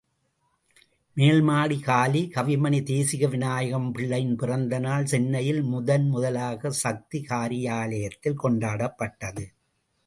மேல்மாடி காலி கவிமணி தேசிக விநாயகம் பிள்ளைவின் பிறந்த நாள் சென்னையில் முதன் முதலாக சக்தி காரியாலயத்தில் கொண்டாடப்பட்டது.